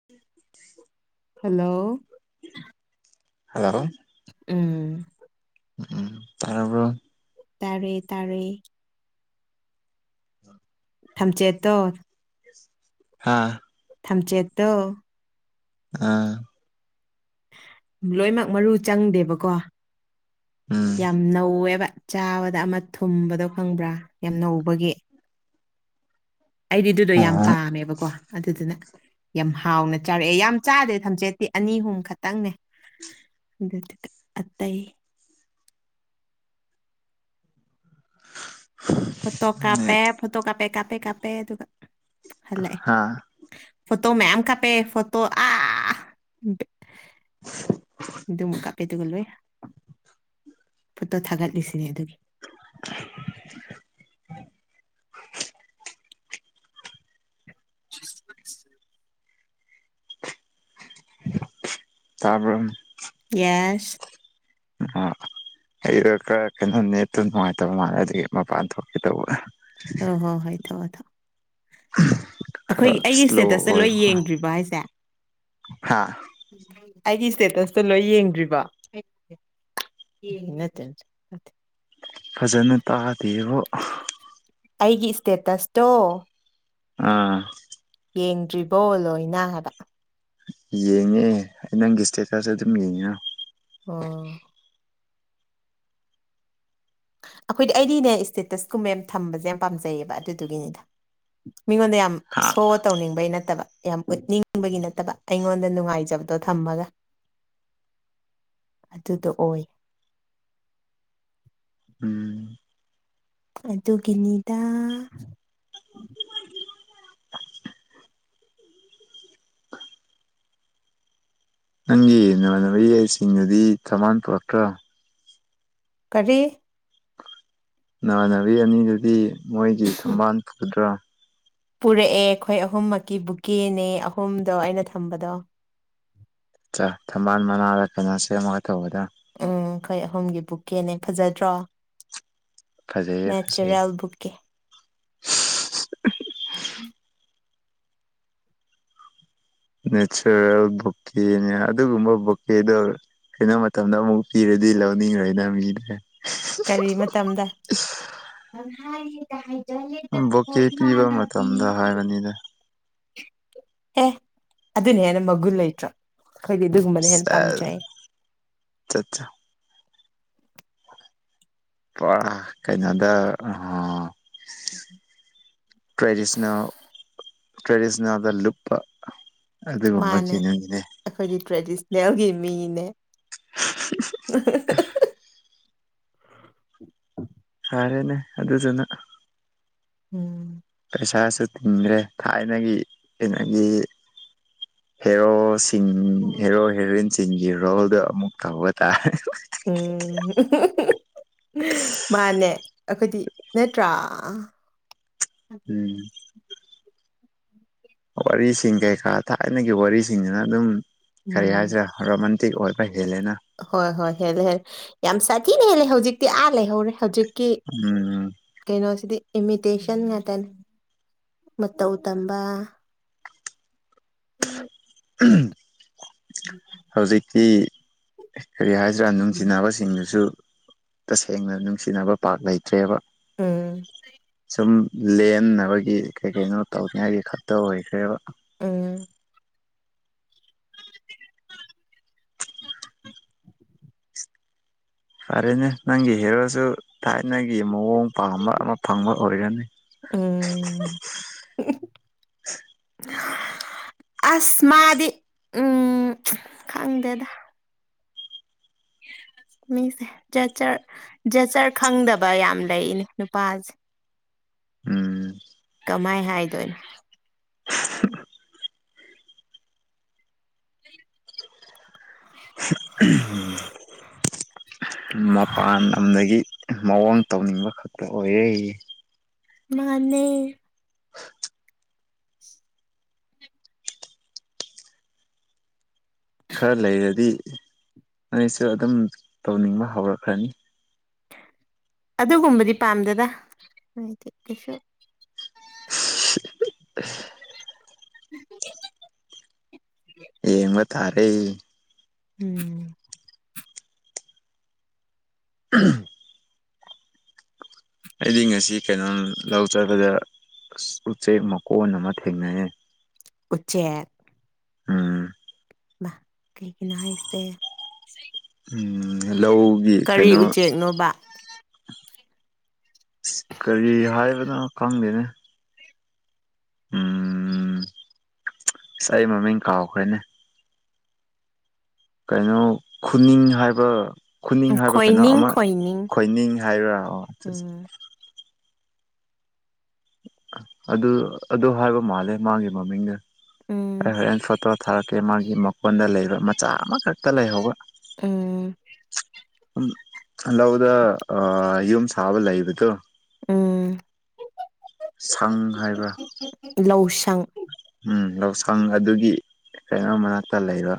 [unintelligible] hello hello ꯎꯝ ꯎꯝ ꯇꯥꯔꯕꯣ ꯇꯥꯔꯦ ꯇꯥꯔꯦ ꯊꯝꯆꯦꯠꯇꯣ ꯍꯥꯥ ꯊꯝꯆꯦꯠꯇꯣ ꯑꯥ ꯂꯣꯏꯃꯛ ꯃꯔꯨ ꯆꯪꯗꯦꯕꯀꯣ ꯎꯝ ꯌꯥꯝ ꯅꯧꯋꯦꯕ ꯆꯥꯕꯗ ꯑꯃ ꯊꯨꯝꯕꯗꯣ ꯈꯪꯕ꯭ꯔꯥ ꯌꯥꯝ ꯅꯧꯕꯒꯤ ꯑꯩꯗꯤ ꯑꯗꯨꯗꯣ ꯌꯥꯝ ꯑꯣ ꯄꯥꯝꯃꯦꯕꯀꯣ ꯑꯗꯨꯗꯨꯅ ꯌꯥꯝ ꯍꯥꯎꯅ ꯆꯥꯔꯛꯑꯦ ꯌꯥꯝ ꯆꯥꯗꯦ ꯊꯝꯆꯦꯠꯇꯤ ꯑꯅꯤ ꯑꯍꯨꯝ ꯈꯛꯇꯪꯅꯦ ꯑꯗꯨ ꯑꯠꯇꯩ ꯐꯣꯇꯣ ꯀꯥꯞꯄꯦ ꯅꯦꯠ ꯐꯣꯇꯣ ꯀꯥꯞꯄꯦ ꯀꯥꯞꯄꯦ ꯀꯥꯞꯄꯦ ꯑꯗꯨꯒ ꯍꯜꯂꯛꯑꯦ ꯍꯥ ꯐꯣꯇꯣ ꯃꯌꯥꯝ ꯀꯥꯞꯄꯦ ꯐꯣꯇꯣ ꯑ ꯗꯨꯝꯀ ꯄꯦꯗꯨꯒꯣꯜꯂꯨꯏ ꯐꯨꯠꯇꯣ ꯊꯥꯒꯠꯂꯤꯁꯤꯅꯦ ꯑꯗꯨꯒꯤ [unintelligible] [unintelligible] [unintelligible] ꯇꯥꯕ꯭ꯔ ꯌꯦꯁ ꯑ ꯑꯩꯗꯣ ꯈꯔ ꯀꯩꯅꯣ ꯅꯦꯠꯇꯨ ꯅꯨꯡꯉꯥꯏꯇꯕ ꯃꯥꯜꯂꯦ ꯑꯗꯨꯒꯤ ꯃꯄꯥꯟ ꯊꯣꯛꯀꯦ ꯇꯧꯕ ꯍꯣꯏ ꯍꯣꯏ ꯍꯣꯏ ꯊꯣꯛꯑꯣ ꯊꯣꯛꯑꯣ ꯈꯔ ꯑꯩꯒꯤ ꯁ꯭ꯂꯣ ꯏꯁꯇꯦꯇꯁꯇ ꯂꯣꯏ ꯑꯣꯏꯕꯀꯣ ꯌꯦꯡꯗ꯭ꯔꯤꯕ ꯍꯥꯏꯁꯦ ꯍꯥꯥ ꯑꯩꯒꯤ ꯏꯁꯇꯦꯇꯁꯇꯣ ꯂꯣꯏ ꯌꯦꯡꯗ꯭ꯔꯤꯕ [unintelligible] ꯅꯠꯇꯦ ꯅꯠꯇꯦ ꯅꯠꯇꯦ ꯐꯖꯅ ꯇꯥꯗꯦꯕꯣ ꯑꯩꯒꯤ ꯏꯁꯇꯦꯇꯁꯇꯣ ꯑꯥ ꯌꯦꯡꯗ꯭ꯔꯤꯕꯣ ꯂꯣꯏꯅ ꯍꯥꯏꯕ ꯌꯦꯡꯉꯦ ꯑꯩ ꯅꯪꯒꯤ ꯏꯁꯇꯦꯇꯁꯁꯦ ꯑꯗꯨꯝ ꯌꯦꯡꯉ ꯑꯣ ꯑꯩꯈꯣꯏꯗꯤ ꯑꯩꯗꯤꯅꯦ ꯏꯁꯇꯦꯇꯁꯀꯨꯝꯕ ꯌꯥꯝ ꯊꯝꯕꯁꯦ ꯌꯥꯝ ꯄꯥꯝꯖꯩꯌꯦꯕ ꯑꯗꯨꯗꯨꯒꯤꯅꯤꯗ ꯃꯤꯉꯣꯟꯗ ꯌꯥꯝ ꯍꯥ ꯁꯣ ꯇꯧꯅꯤꯡꯕꯩ ꯅꯠꯇꯕ ꯌꯥꯝ ꯎꯠꯅꯤꯡꯕꯒꯤ ꯅꯠꯇꯕ ꯑꯩꯉꯣꯟꯗ ꯅꯨꯡꯉꯥꯏꯖꯕꯗꯣ ꯊꯝꯃꯒ ꯑꯗꯨꯗꯣ ꯑꯣꯏ ꯎꯝ ꯑꯗꯨꯒꯤꯅꯤꯗꯥ ꯅꯪꯒꯤ ꯅꯃꯥꯟꯅꯕ ꯌꯥꯏꯁꯤꯡꯅꯗꯤ ꯀꯃꯥꯟ ꯇꯧꯔꯛꯇ꯭ꯔ ꯀꯔꯤ ꯅꯃꯥꯟꯅꯕꯤ ꯑꯅꯤꯗꯨꯗꯤ ꯃꯣꯏꯒꯤ ꯊꯝꯕꯥꯜ ꯄꯨꯒꯗ꯭ꯔꯥ ꯄꯨꯔꯛꯑꯦ ꯑꯩꯈꯣꯏ ꯑꯍꯨꯝꯃꯛꯀꯤ ꯕꯨꯛꯀꯦꯅꯦ ꯑꯍꯨꯝꯗꯣ ꯑꯩꯅ ꯊꯝꯕꯗꯣ ꯆꯥ ꯊꯝꯕꯥꯜ ꯃꯅꯥꯗ ꯐꯖꯟ ꯁꯦꯝꯃꯒ ꯇꯧꯕꯗ ꯎꯝ ꯑꯈꯣꯏ ꯑꯍꯨꯝꯒꯤ ꯕꯨꯛꯀꯦꯅꯦ ꯐꯖꯗ꯭ꯔꯣ ꯐꯖꯩꯌꯦ ꯐꯖꯩꯌꯦ ꯅꯦꯆꯔꯦꯜ ꯕꯨꯛ [unintelligible] [unintelligible] ꯅꯦꯆꯔꯦꯜ ꯕꯨꯛꯀꯦꯅꯦ ꯑꯗꯨꯒꯨꯝꯕ ꯕꯨꯛꯀꯦꯗꯣ ꯀꯩꯅꯣ ꯃꯇꯝꯗ ꯑꯃꯨꯛ ꯄꯤꯔꯗꯤ ꯂꯧꯅꯤꯡꯉꯣꯏꯅ ꯃꯤꯗꯦ ꯀꯔꯤ ꯃꯇꯝꯗ ꯕꯣꯀꯦ ꯄꯤꯕ ꯃꯇꯝꯗ ꯍꯥꯏꯕꯅꯤꯗ ꯑꯦ ꯑꯗꯨꯅ ꯍꯦꯟꯅ ꯃꯒꯨꯟ ꯂꯩꯇ꯭ꯔꯣ ꯑꯩꯈꯣꯏꯗꯤ ꯑꯗꯨꯒꯨꯝꯕꯅ ꯍꯦꯟꯅ ꯄꯥꯝꯖꯩ ꯆꯥꯠꯆꯥ ꯄ ꯀꯩꯅꯣꯗ ꯑ ꯇ꯭ꯔꯦꯗꯤꯁ‍꯭ꯅꯦꯜ ꯇ꯭ꯔꯦꯗꯤꯁ꯭ꯅꯦꯜꯗ ꯂꯨꯞꯄ ꯑꯗꯨꯒꯨꯝꯕꯒꯤꯅꯟꯅꯦ ꯑꯈꯣꯏꯒꯤ ꯇ꯭ꯔꯦꯗꯤꯁ꯭ꯅꯦꯜꯒꯤ ꯃꯤꯅꯦ ꯁꯥꯔꯦꯅꯦ ꯑꯗꯨꯗꯨꯅ ꯎꯝ ꯄꯩꯁꯥꯁꯨ ꯇꯤꯡꯗ꯭ꯔꯦ ꯊꯥꯏꯅꯒꯤ ꯀꯩꯅꯒꯤ ꯍꯦꯔꯣꯁ ꯏꯪ ꯍꯦꯔꯣ ꯍꯦꯔꯣꯏꯟꯁꯤꯡꯒꯤ ꯔꯣꯜꯗ ꯑꯃꯨꯛ ꯇꯧꯕ ꯇꯥꯔꯦ ꯎꯝ ꯃꯥꯅꯦ ꯑꯈꯣꯏꯗꯤ ꯅꯠꯇ꯭ꯔꯥ ꯎꯝ ꯋꯥꯔꯤꯁꯤꯡ ꯀꯩꯀꯥ ꯊꯥꯏꯅꯒꯤ ꯋꯥꯔꯤꯁꯤꯡꯁꯤꯅ ꯑꯗꯨꯝ ꯀꯔꯤ ꯎꯝ ꯍꯥꯏꯁꯤꯔꯥ ꯔꯣꯃꯥꯟꯇꯤꯛ ꯑꯣꯏꯕ ꯍꯦꯜꯂꯦꯅ ꯍꯣꯏ ꯍꯣꯏ ꯍꯦꯜꯂꯦ ꯍꯦꯜꯂꯦ ꯌꯥꯝ ꯁꯥꯊꯤꯅ ꯍꯦꯜꯂꯦ ꯍꯧꯖꯤꯛꯇꯤ ꯑꯥ ꯂꯩꯍꯧꯔꯦ ꯍꯧꯖꯤꯛꯀꯤ ꯎꯝ ꯀꯩꯅꯣꯁꯤꯗꯤ ꯏꯃꯤꯇꯦꯁꯟ ꯉꯥꯛꯇꯅꯤ ꯃꯇꯧ ꯇꯝꯕ ꯎꯝ [unintelligible] [inaudible] ꯍꯧꯖꯤꯛꯇꯤ ꯀꯔꯤ ꯍꯥꯏꯁꯤꯔꯥ ꯅꯨꯡꯁꯤꯅꯕꯁꯤꯡꯅꯁꯨ ꯇꯁꯦꯡꯅ ꯅꯨꯡꯁꯤꯅꯕ ꯄꯥꯛ ꯂꯩꯇ꯭ꯔꯦꯕ ꯎꯝ ꯑꯗꯨꯝ ꯂꯦꯟꯅꯕꯒꯤ ꯀꯩ ꯀꯩꯅꯣ ꯇꯧꯅꯤꯡꯉꯥꯏꯒꯤ ꯈꯛꯇ ꯑꯣꯏꯈ꯭ꯔꯦꯕ ꯎꯝ ꯐꯔꯦꯅꯦ ꯅꯪꯒꯤ ꯍꯦꯔꯣꯁꯨ ꯊꯥꯏꯅꯒꯤ ꯃꯑꯣꯡ ꯄꯥꯝꯕ ꯑꯃ ꯐꯪꯕ ꯑꯣꯏꯔꯅꯤ ꯎꯝ ꯑꯁ ꯃꯥꯗꯤ ꯎꯝ ꯈꯪꯗꯦꯗ ꯃꯤꯁꯦ ꯖꯠ ꯖ꯭ꯔꯠ ꯖꯥꯖ꯭ꯔꯠ ꯈꯪꯗꯕ ꯌꯥꯝ ꯂꯩꯅꯦ ꯅꯨꯄꯥꯁꯦ ꯎꯝ ꯀꯃꯥꯏ ꯍꯥꯏꯗꯣꯏꯅꯣ [unintelligible] ꯃꯄꯥꯟ ꯂꯝꯗꯒꯤ ꯃꯑꯣꯡ ꯇꯧꯅꯤꯡꯕ ꯈꯛꯇ ꯑꯣꯏꯌꯦ ꯃꯥꯅꯦ ꯈꯔ ꯂꯩꯔꯗꯤ ꯅꯩꯁꯨ ꯑꯗꯨꯝ ꯇꯧꯅꯤꯡꯕ ꯍꯧꯔꯛꯈ꯭ꯔꯅꯤ ꯑꯗꯨꯒꯨꯝꯕꯗꯤ ꯄꯥꯝꯗꯦꯗ ꯑꯩꯗꯤ ꯀꯩꯁꯨ [unintelligible] ꯌꯦꯡꯕ ꯇꯔꯦ ꯎꯝ [inaudible] ꯑꯩꯗꯤ ꯉꯁꯤ ꯀꯩꯅꯣꯝ ꯂꯧ ꯆꯠꯄꯗ ꯎꯆꯦꯛ ꯃꯀꯣꯟ ꯑꯃ ꯊꯦꯡꯅꯩꯌꯦ ꯎꯆꯦꯛ ꯎꯝ ꯃꯥ ꯀꯩꯒꯤꯅꯣ ꯍꯥꯏꯁꯦ ꯂꯧꯒꯤ ꯀꯔꯤ ꯀꯩꯅꯣ ꯎꯆꯦꯛꯅꯣꯕ ꯑ ꯀꯔꯤ ꯍꯥꯏꯕꯅꯣ ꯈꯪꯗꯦꯅꯦ ꯎꯝ ꯑꯁ ꯑꯩ ꯃꯃꯤꯡ ꯀꯥꯎꯈ꯭ꯔꯦꯅꯦ ꯀꯩꯅꯣ ꯈꯨꯅꯤꯡ ꯍꯥꯏꯕ ꯈꯨꯅꯤꯡ ꯍꯥꯏꯕ ꯀꯩꯅꯣ ꯈꯣꯏꯅꯤꯡ ꯑꯃ ꯈꯣꯏꯅꯤꯡ ꯈꯣꯏꯅꯤꯡ ꯍꯥꯏꯕ꯭ꯔꯥ ꯑꯣ ꯎꯝ ꯑꯗꯨ ꯑꯗꯨ ꯍꯥꯏꯕ ꯃꯥꯜꯂꯦ ꯃꯥꯒꯤ ꯃꯃꯤꯡꯗ ꯎꯝ ꯑꯩ ꯍꯔꯦꯟ ꯐꯠꯇꯣ ꯊꯥꯔꯛꯀꯦ ꯃꯥꯒꯤ ꯃꯀꯣꯟꯗ ꯂꯩꯕ ꯃꯆꯥ ꯑꯃꯈꯛꯇ ꯂꯩꯍꯧꯕ ꯎꯝ ꯎ ꯂꯧꯗ ꯌꯨꯝ ꯁꯥꯕ ꯂꯩꯕꯗꯣ ꯎꯝ ꯁꯪ ꯍꯥꯏꯕ ꯂꯧꯁꯪ ꯎꯝ ꯂꯧꯎꯁꯪ ꯑꯗꯨꯒꯤ ꯀꯩꯅꯣꯝꯃ ꯀ ꯂꯩꯕ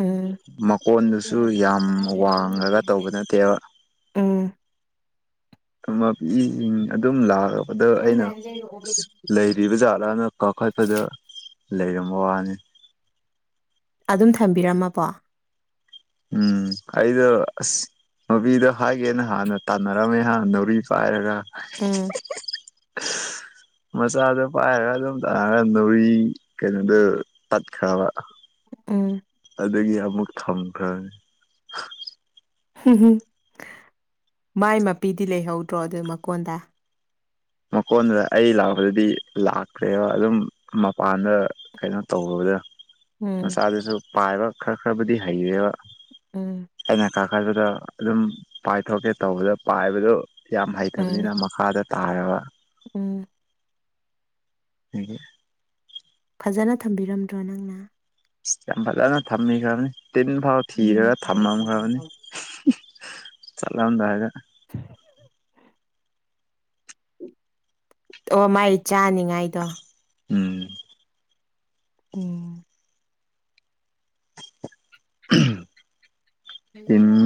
ꯎꯝ ꯃꯀꯣꯟꯗꯨꯁꯨ ꯌꯥꯝ ꯋꯥꯡꯉꯒ ꯇꯧꯕ ꯅꯠꯇꯦꯕ ꯎꯝ ꯊ ꯃꯕꯤꯁꯤꯡ ꯑꯗꯨꯝ ꯂꯥꯛꯔꯕꯗ ꯑꯩꯅ ꯑ ꯂꯩꯔꯤꯕ ꯖꯥꯠꯂꯅ ꯀꯥꯈꯠꯄꯗ ꯂꯩꯔꯝꯕ ꯋꯥꯅꯤ ꯑꯗꯨꯝ ꯊꯝꯕꯤꯔꯝꯃꯕꯣ ꯎꯝ ꯑꯩꯗꯣ ꯑꯁ ꯃꯣꯕꯤꯗꯣ ꯍꯥꯏꯒꯦꯅ ꯍꯥꯟꯅ ꯇꯥꯟꯅꯔꯝꯃꯦ ꯍꯥꯟꯅ ꯅꯥꯎꯔꯤ ꯄꯥꯏꯔꯒ ꯎꯝ [inaudible] ꯃꯆꯥꯗꯣ ꯄꯥꯏꯔꯒ ꯑꯗꯨꯝ ꯇꯥꯔꯒ ꯧꯔꯤ ꯀꯩꯅꯣꯗꯨꯣ ꯇꯠꯈ꯭ꯔꯕ ꯎꯝ ꯑꯗꯒꯤ ꯑꯃꯨꯛ ꯊꯝꯈ꯭ꯔꯅꯤ ꯎꯝ ꯃꯥꯏ ꯃꯄꯤꯗꯤ ꯂꯩꯍꯧꯗ꯭ꯔꯣ ꯑꯗꯨ ꯃꯀꯣꯟꯗ ꯃꯀꯣꯟꯗꯨꯗ ꯑꯩ ꯂꯥꯛꯄꯗꯗꯤ ꯂꯥꯛꯇ꯭ꯔꯦꯕ ꯑꯗꯨꯝ ꯃꯄꯥꯟꯗ ꯀꯩꯅꯣ ꯇꯧꯔꯨꯕꯗ ꯎꯝ ꯃꯆꯥꯗꯨꯁꯨ ꯄꯥꯏꯕ ꯈꯔ ꯈꯔꯕꯨꯗꯤ ꯍꯩꯔꯦꯕ ꯎꯝ ꯑꯩꯅ ꯀꯥꯈꯠꯄꯗ ꯑꯗꯨꯝ ꯄꯥꯏꯊꯣꯛꯀꯦ ꯇꯧꯕꯗ ꯄꯥꯏꯕꯗꯨ ꯌꯥꯝ ꯎꯝ ꯍꯩꯇꯕꯅꯤꯅ ꯃꯈꯥꯗ ꯇꯥꯔꯒ ꯎꯝ ꯍꯗꯤ ꯐꯖꯅ ꯊꯝꯕꯤꯔꯝꯗ꯭ꯔꯣ ꯅꯪꯅ ꯌꯥꯝ ꯐꯖꯅ ꯊꯝꯃꯤ ꯈꯕꯅꯤ ꯇꯤꯟ ꯐꯥꯎ ꯊꯤꯑꯒ ꯎꯝ ꯊꯝꯃꯝ ꯈꯕꯅꯤ ꯆꯠꯂꯝꯑꯗꯥ ꯍꯥꯏꯒ [inaudible] [inaudible] ꯑꯣ ꯃꯥꯏ ꯆꯥꯅꯤꯡꯉꯥꯏꯗꯣ ꯎꯝ ꯎꯝ ꯎꯍꯨꯝ ꯍꯜꯂꯣ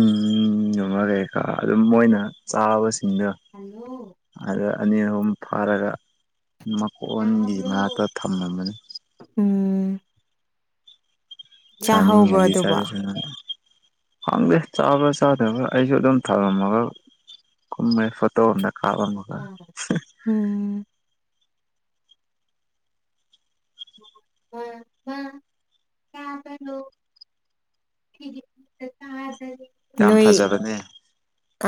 ꯅꯃ ꯀꯩꯀꯥ ꯑꯗꯨꯝ ꯃꯣꯏꯅ ꯆꯥꯕꯁꯤꯡꯗꯣ ꯍꯜꯂꯣ ꯍꯥꯜꯂꯛꯑꯅꯤ ꯑꯍꯨꯝ ꯐꯥꯔꯒ ꯃꯀꯣꯟꯒꯤ ꯇꯥꯕ꯭ꯔꯣ ꯃꯅꯥꯛꯇ ꯊꯝꯂꯝꯃꯅꯤ ꯎꯝ ꯆꯥꯅꯤꯡ ꯑꯦ ꯆꯥꯍꯧꯕ꯭ꯔꯣ ꯍꯥꯏꯗꯤ ꯑꯗꯨꯕꯣ ꯆꯖꯥ ꯁꯅꯨꯅꯥ ꯍꯪꯗꯦ ꯆꯥꯕ꯭ꯔꯥ ꯆꯥꯗꯕ꯭ꯔꯥ ꯑꯩꯁꯨ ꯑꯗꯨꯝ ꯊꯝꯂꯝꯃꯒ ꯀꯨꯝꯃꯦ ꯐꯣꯇꯣ ꯑꯝꯗ ꯀꯥꯞꯄ ꯑꯃꯥ ꯎꯝ [unintelligible] ꯇꯕꯔꫭ ꯑꯩꯗꯤ ꯑꯃꯇꯥ ꯇꯗꯔꯦ [unintelligible] ꯌꯥꯝ ꯅꯣꯏ ꯐꯖꯕꯅꯦ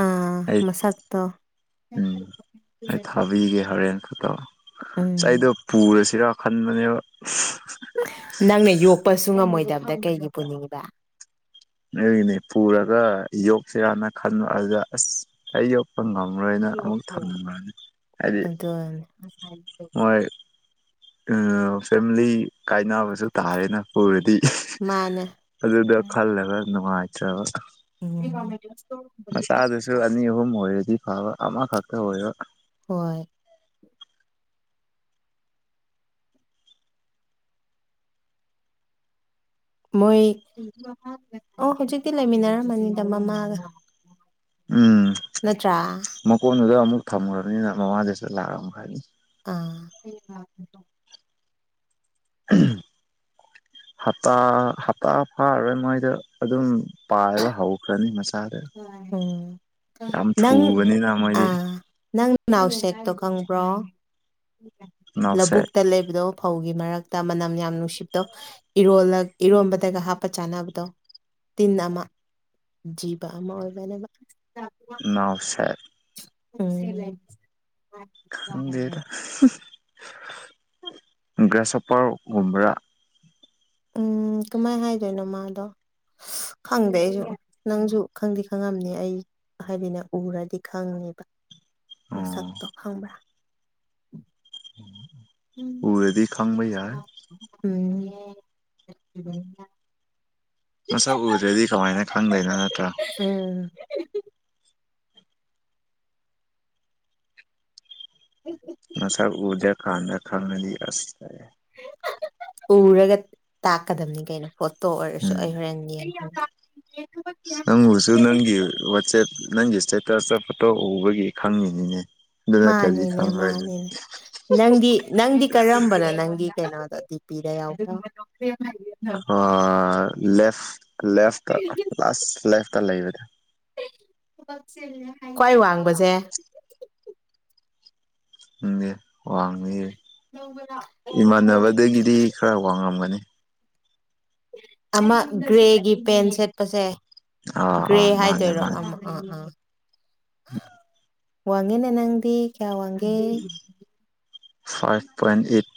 ꯑ ꯑꯩ ꯃꯁꯥꯛꯇꯣ [unintelligible] ꯊꯕꯤꯒꯤ ꯍꯣꯔꯦꯟ ꯐꫭꯇꯣ ꯎꯝ ꯑꯩꯗꯣ ꯄꯨꯔꯁꯤꯔꯥ ꯈꯟꯕꯅꯦꯕ ꯅꯪꯅ ꯌꯣꯛꯄꯁꯨ ꯉꯝꯃꯣꯏꯗꯕꯗ ꯀꯩꯒꯤ ꯄꯨꯅꯤꯡꯉꯤꯕ ꯅꯣꯏꯒꯤꯅꯤ ꯄꯨꯔꯒ ꯌꯣꯛꯁꯤꯔꯅ ꯈꯟꯕ ꯑꯗꯨꯗ ꯑꯁ ꯑꯩ ꯌꯣꯛ ꯄ ꯉꯝꯃꯔꯣꯏꯅ ꯑꯃꯨꯛ ꯊꯝꯂꯝꯅꯤ ꯍꯥꯏꯗꯤ ꯑꯗꯨꯅꯦ ꯃꯣꯏ ꯎꯝ ꯐꯦꯃꯤꯂꯤ ꯀꯥꯏꯅꯕꯁꯨ ꯇꯥꯔꯦꯅ ꯎꯔꯗꯤ ꯃꯥꯅꯦ ꯑꯗꯨꯗ ꯈꯜꯂꯒ ꯅꯨꯡꯉꯥꯏꯇꯥꯔꯕ [inaudible] ꯃꯆꯥꯗꯨꯁꯨ ꯑꯅꯤ ꯑꯍꯨꯝ ꯑꯣꯏꯔꯗꯤ ꯐꯕ ꯑꯃꯈꯛꯇ ꯑꯣꯏꯕ ꯍꯣꯏ ꯃꯣꯏ ꯑꯣ ꯍꯧꯖꯤꯛꯇꯤ ꯂꯩꯃꯤꯟꯅꯔꯝꯃꯅꯤꯗ ꯃꯃꯥꯒ ꯎꯝ ꯅꯠꯇ꯭ꯔꯥ ꯃꯀꯣꯟꯗꯨꯗ ꯑꯃꯨꯛ ꯊꯝꯈ꯭ꯔꯕꯅꯤꯅ ꯃꯃꯥꯡꯗꯨꯁꯨ ꯂꯥꯛꯑꯝ ꯈꯔꯅꯤ ꯑꯥ [inaudible] ꯍꯇꯥ ꯍꯇꯥ ꯐꯥꯔꯔꯣꯏ ꯃꯣꯏꯗ ꯑꯗꯨꯝ ꯄꯥꯏꯕ ꯍꯧ ꯊꯣꯛꯈ꯭ꯔꯅꯤ ꯃꯆꯥꯗꯣ ꯎꯝ ꯌꯥꯝ ꯊꯨꯕꯅꯤꯅ ꯃꯣꯏꯗꯤ ꯎꯅꯥꯎꯁꯦꯛꯇꯣ ꯈꯪꯕ꯭ꯔꯣ ꯂꯧ ꯅꯥꯎꯁꯦꯠ ꯕꯨꯛꯇ ꯂꯩꯕꯗꯣ ꯐꯧꯒꯤ ꯃꯔꯛꯇ ꯃꯅꯝ ꯌꯥꯝ ꯅꯨꯡꯁꯤꯕꯗꯣ ꯏꯔꯣꯟꯂꯥ ꯏꯔꯣꯟꯕꯗꯒ ꯍꯥꯞꯄ ꯆꯥꯅꯕꯗꯣ ꯇꯤꯟ ꯑꯃ ꯖꯤꯕ ꯑꯃ ꯑꯣꯏꯕꯅꯦꯕ ꯅꯧ ꯁꯦꯠ ꯎꯝ ꯈꯪꯗꯦꯗ ꯒ꯭ꯔꯥꯁ ꯑꯣꯄꯥꯔꯒꯨꯝꯕ꯭ꯔꯥ ꯎꯝ ꯀꯃꯥꯏꯅ ꯍꯥꯏꯗꯣꯏꯅꯣ ꯃꯥꯗꯣ ꯈꯪꯗꯦ ꯑꯩꯁꯨ ꯅꯪꯁꯨ ꯈꯪꯗꯤ ꯈꯪꯉꯝꯅꯤ ꯑꯩ ꯍꯥꯏꯕꯤꯅ ꯎꯔꯗꯤ ꯈꯪꯅꯤꯕ ꯑꯣ ꯃꯁꯛꯇꯣ ꯈꯪꯕ꯭ꯔꯥ ꯎꯝ ꯎꯝ ꯎꯝ [unintelligible] ꯃꯁꯛ ꯎꯗ꯭ꯔꯗꯤ ꯀꯃꯥꯏꯅ ꯈꯪꯗꯣꯏꯅꯣ ꯅꯠꯇ꯭ꯔ ꯎꯝ [unintelligible] ꯃꯁꯥꯛ ꯎꯗꯔ ꯀꯥꯟꯗ ꯈꯪꯉꯗꯤ ꯑꯁ [unintelligible] ꯎꯔꯒ ꯇꯥꯛꯀꯗꯕꯅꯤ ꯀꯩꯅꯣ ꯐꯣꯇꯣ ꯑꯣꯏꯔꯁꯨ ꯎꯝ ꯑꯩ ꯍꯣꯔꯦꯟ ꯌꯦꯡꯒꯦ ꯅꯪꯕꯨꯁꯨ ꯅꯪꯒꯤ ꯋꯥꯆꯦꯞ ꯅꯪꯒꯤ ꯏꯁꯇꯦꯇꯁꯇꫭ ꯐꯣꯇꯣ ꯎꯕꯒꯤ ꯈꯪꯉꯤꯅꯤꯅꯦ ꯑꯗꯨ ꯇꯥꯠꯇꯔꯗꯤ ꯃꯥꯅꯤꯅꯦ ꯈꯪꯉꯔꫭꯏ ꯃꯥꯅꯤꯅꯦ ꯅꯪꯗꯤ ꯅꯪꯗꯤ ꯀꯔꯝꯕꯅꯣ ꯅꯪꯒꯤ ꯀꯩꯅꯣꯗꯣ ꯗꯤ ꯄꯤꯗ ꯌꯥꯎꯒꯨꯝ ꯑꯥ ꯂꯦꯐ ꯂꯦꯐꯇ ꯂꯥꯁ ꯂꯦꯐꯇ ꯂꯩꯕꯗꫭ [unintelligible] ꯈ꯭ꯋꯥꯏ ꯋꯥꯡꯕꯁꯦ ꯈꯪꯗꯦ ꯋꯥꯡꯉꯝꯒꯅꯤ ꯏꯃꯥꯟꯅꯕꯗꯒꯤꯗꯤ ꯈꯔ ꯋꯥꯡꯉꯝꯒꯅꯤ ꯑꯃ ꯒ꯭ꯔꯦꯒꯤ ꯄꯦꯟ ꯁꯦꯠꯄꯁꯦ ꯑꯥ ꯒ꯭ꯔꯦ ꯑꯥ ꯍꯥꯏꯗꯣꯏꯔꯣ ꯑꯃ ꯑ ꯑꯥ ꯎꯝ ꯋꯥꯡꯉꯦꯅꯦ ꯅꯪꯗꯤ ꯀꯌꯥ ꯋꯥꯡꯒꯦ ꯐꯥꯏꯚ ꯄꯣꯏꯟ ꯑꯦꯠ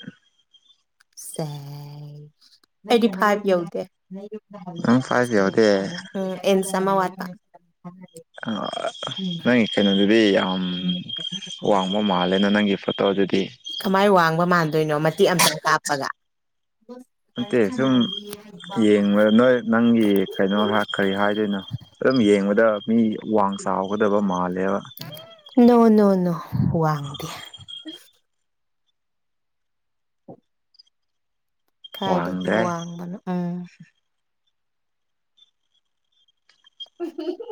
ꯁꯦ ꯑꯩꯇꯤ ꯐꯥꯏꯚ ꯌꯧꯗꯦ ꯅꯪ ꯐꯥꯏꯚ ꯎꯝ ꯌꯧꯗꯦ ꯑꯦꯟ ꯁꯃ ꯋꯥ ꯑ ꯅꯪ ꯀꯩꯅꯣ ꯑꯗꯨꯗꯤ ꯌꯥꯝ ꯋꯥꯡꯕ ꯃꯥꯜꯂꯦꯅ ꯅꯪꯒꯤ ꯐꯣꯇꯣ ꯑꯗꯨꯗꯤ ꯀꯃꯥꯏ ꯋꯥꯡꯕ ꯃꯥꯟꯗꯣꯏꯅꯣ ꯃꯇꯦꯛ ꯑꯃꯝꯇꯪ ꯀꯥꯞꯄꯒ ꯅꯠꯇꯦ ꯁꯨꯝ ꯌꯦꯡꯕꯗ ꯅꯣꯏ ꯅꯪꯒꯤ ꯀꯩꯅꯣ ꯀꯔꯤ ꯍꯥꯏꯗꯣꯏꯅꯣ ꯑꯗꯨꯝ ꯌꯦꯡꯕꯗ ꯃꯤ ꯋꯥꯡ ꯆꯥꯎꯒꯗꯕ ꯃꯥꯜꯂꯦꯕ ꯅꯣꯅꯣꯅꯣ ꯋꯥꯡꯗꯦ ꯀꯥꯏꯗꯒꯤ ꯋꯥꯡꯗ꯭ꯔꯦ ꯋꯥꯡꯕꯅꯣ ꯎꯝ ꯎ